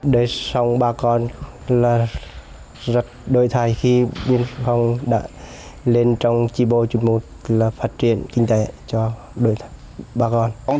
để xong bà con là rất đổi thay khi biên phòng đã lên trong trị bộ